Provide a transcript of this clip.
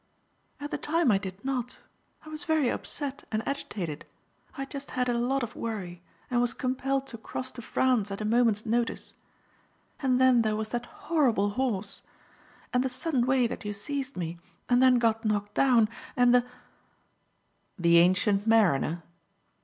"At the time I did not. I was very upset and agitated, I had just had a lot of worry and was compelled to cross to France at a moment's notice; and then there was that horrible horse, and the sudden way that you seized me and then got knocked down; and the " "The ancient mariner."